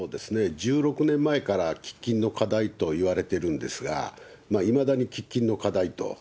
１６年前から喫緊の課題といわれてるんですが、いまだに喫緊の課題と。